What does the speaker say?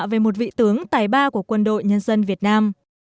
về một vị tướng tài ba của quân đội nhân dân việt nam